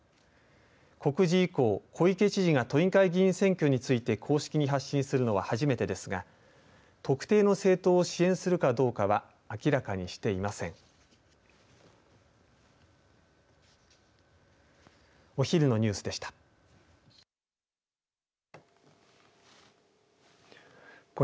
告示以降、小池都知事が都議会議員選挙について公式に発信するのは初めてですが、特定の政党を支援するかどうかは明らかにしていません。